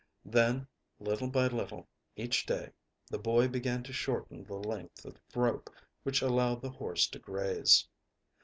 Then, little by little, each day, the boy began to shorten the length of rope which allowed the horse to graze.